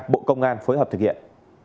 bộ công an phối hợp thực hiện